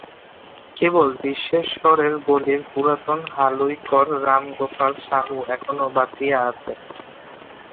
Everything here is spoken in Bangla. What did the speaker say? কেবল বিশ্বেশ্বরের গলির পুরাতন হালুইকর রামগোপাল সাহু এখনও বাঁচিয়া আছে।